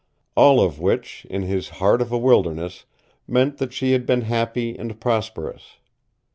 All of which, in this heart of a wilderness, meant that she had been happy and prosperous.